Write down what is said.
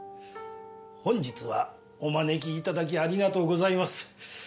本日はお招き頂きありがとうございます。